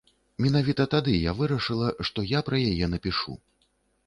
Менавіта тады я вырашыла, што я пра яе напішу.